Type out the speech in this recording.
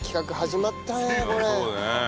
そうね。